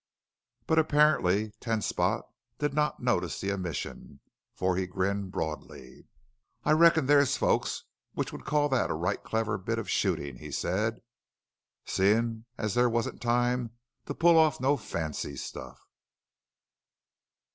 But apparently Ten Spot did not notice the omission, for he grinned broadly. "I reckon there's folks which would call that a right clever bit of shootin'," he said, "seem' a? there wasn't time to pull off no fancy stuff!"